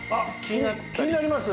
気になります。